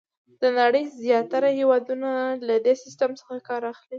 د نړۍ زیاتره هېوادونه له دې سیسټم څخه کار اخلي.